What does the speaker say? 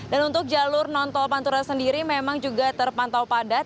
dan untuk jalur nontol panturan sendiri memang juga terpantau padat